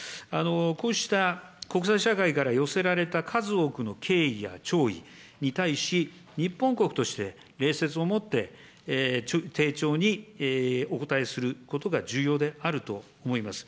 こうした国際社会から寄せられた数多くの敬意や弔意に対し、日本国として、礼節をもって丁重にお答えすることが重要であると思います。